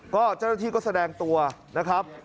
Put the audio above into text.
ก็เจ้าหน้าที่ก็แสดงตัวนะครับ